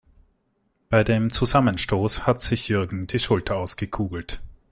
Bei dem Zusammenstoß hat sich Jürgen die Schulter ausgekugelt.